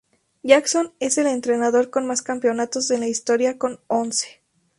Jackson es el entrenador con más campeonatos en la historia, con once.